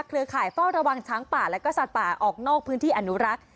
ข่ายเฝ้าระวังช้างป่าและก็สัตว์ป่าออกนอกพื้นที่อนุรักษ์